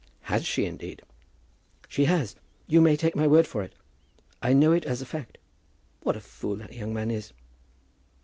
"Has she, indeed?" "She has. You may take my word for it. I know it as a fact. What a fool that young man is!"